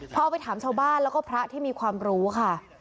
พอเอาไปถามชาวบ้านแล้วก็พระที่มีความรู้ค่ะ